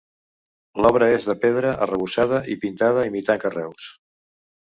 L'obra és de pedra, arrebossada i pintada imitant carreus.